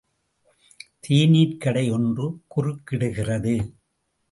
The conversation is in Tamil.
தேநீர்க்கடை ஒன்று குறுக்கிடுகிறது.